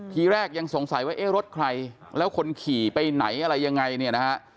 ทีแรกยังสงสัยว่าเอ๊ะรถใครแล้วคนขี่ไปไหนอะไรยังไงเนี่ยนะฮะ